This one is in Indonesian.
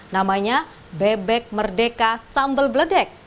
namanya bebek merdeka sambal bledek